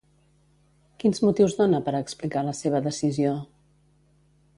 Quins motius dona per a explicar la seva decisió?